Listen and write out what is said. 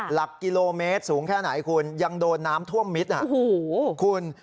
หลักกิโลเมตรสูงแค่ไหนคุณยังโดนน้ำท่วมมิดคุณ